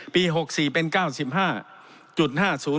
๖๔เป็น๙๕๕๐